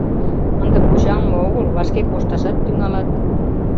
— Ынде почаҥме огыл, вашке кошташат тӱҥалат.